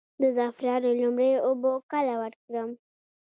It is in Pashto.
د زعفرانو لومړۍ اوبه کله ورکړم؟